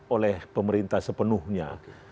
oleh pemerintah sepenuhnya